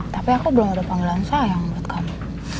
tapi aku belum ada panggilan sayang buat kamu